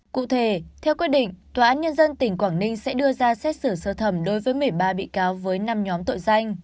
cụ thể theo quyết định tòa án nhân dân tỉnh quảng ninh sẽ đưa ra xét xử sơ thẩm đối với một mươi ba bị cáo với năm nhóm tội danh